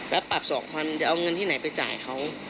แล้วปรับ๒๐๐๐จะเอาเงินที่ไหนไปจ่ายเขา